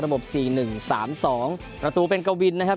๔๑๓๒ประตูเป็นกวินนะครับ